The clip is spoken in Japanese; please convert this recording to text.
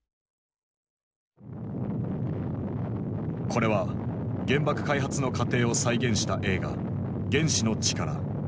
これは原爆開発の過程を再現した映画「原子の力」。